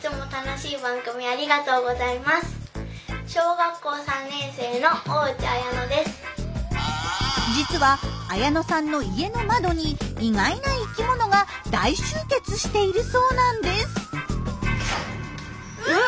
小学校３年生の実は綾乃さんの家の窓に意外な生きものが大集結しているそうなんです。